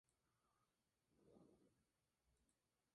Al frente del Juventus de Turín ganó una Liga y una Copa.